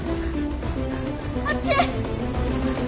あっち！